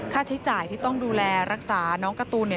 ค่าใช้จ่ายที่ต้องดูแลรักษาน้องกะตูน